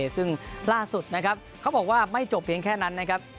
ซึ่งล่าสุดนะครับเขาบอกว่าไม่จบเพียงแค่นั้นนะครับ